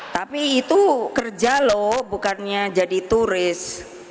tapi itu kerja loh bukannya jadi turis